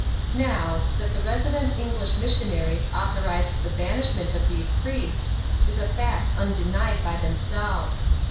Now, that the resident English missionaries authorised the banishment of these priests, is a fact undenied by themselves.